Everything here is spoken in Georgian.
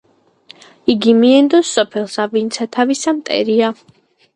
იგი მიენდოს სოფელსა, ვინცა თავისა მტერია.